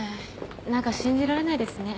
何か信じられないですね。